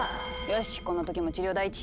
よしこんな時も治療第一。